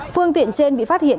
phương tiện trên bị phát hiện